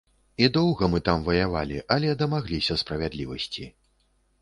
І доўга мы там ваявалі, але дамагаліся справядлівасці.